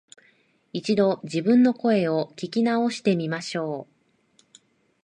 一度、自分の声を聞き直してみましょう